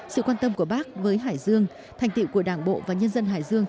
sự quan tâm của bắc với hải dương thành tựu của đảng bộ và nhân dân hải dương